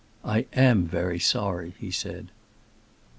"I am very sorry," he said.